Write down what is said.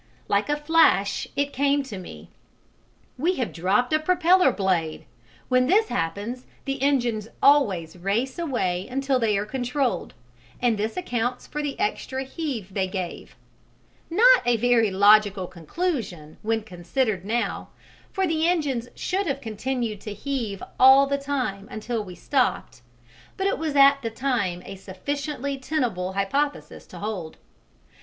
Like a flash it came to me: "We have dropped a propeller blade: when this happens the engines always race away until they are controlled, and this accounts for the extra heave they gave"; not a very logical conclusion when considered now, for the engines should have continued to heave all the time until we stopped, but it was at the time a sufficiently tenable hypothesis to hold.